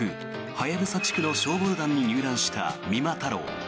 ハヤブサ地区の消防団に入団した三馬太郎。